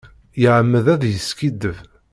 Iεemmed ad d-yeskiddeb.